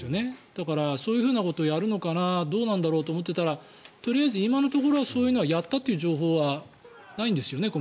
だから、そういうことをするのかなと思っていたらとりあえず今のところはそういうのをやったという情報はないんですよね。